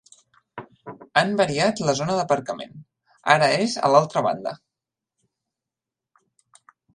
Han variat la zona d'aparcament: ara és a l'altra banda.